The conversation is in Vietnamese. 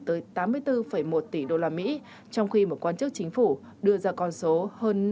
tới tám mươi bốn một tỷ usd trong khi một quan chức chính phủ đưa ra con số hơn năm mươi tỷ usd